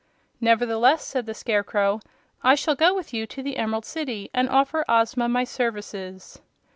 "Nevertheless," said the Scarecrow, "I shall go with you to the Emerald City and offer Ozma my services."